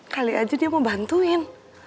kali aja dia mau bantuin